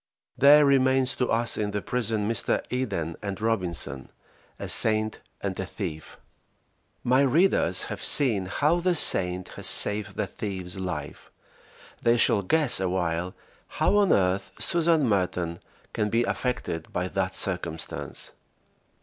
There remains to us in the prison Mr. Eden and Robinson, a saint and a thief. My readers have seen how the saint has saved the thief's life. They shall guess awhile how on earth Susan Merton can be affected by that circumstance.